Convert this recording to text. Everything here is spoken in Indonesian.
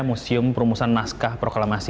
museum perumusan naskah proklamasi